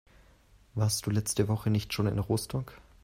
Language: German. Warst du letzte Woche nicht schon in Rostock?